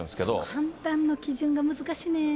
判断の基準が難しいね。